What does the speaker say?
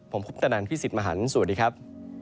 ผมคุปตนันพี่สิทธิ์มหันฯสวัสดีครับ